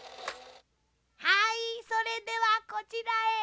はいそれではこちらへのせて。